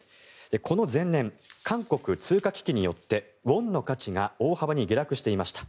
この前年、韓国通貨危機によってウォンの価値が大幅に下落していました。